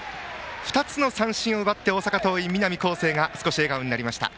２つの三振を奪って大阪桐蔭の南恒誠少し笑顔になりました。